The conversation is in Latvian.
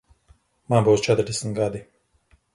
Man būs četrdesmit gadi.